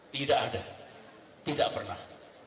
tidak ada tidak pernah